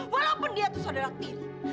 walaupun dia itu saudara tiri